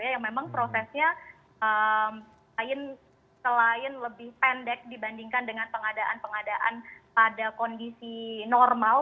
yang memang prosesnya selain lebih pendek dibandingkan dengan pengadaan pengadaan pada kondisi normal